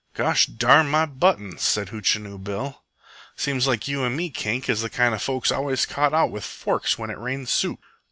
"Gosh darn my buttoms!" said Hootchinoo Bill. "Seems likes you and me, Kink, is the kind of folks always caught out with forks when it rains soup."